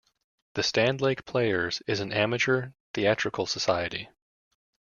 The Standlake Players is an amateur theatrical society.